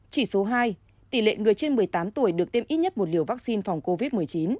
chỉ số hai tỷ lệ người trên một mươi tám tuổi được tiêm ít nhất một liều vaccine phòng covid một mươi chín